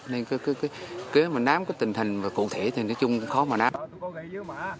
nên cái mà nám cái tình hình và cụ thể thì nói chung khó mà nám